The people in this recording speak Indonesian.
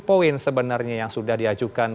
poin sebenarnya yang sudah diajukan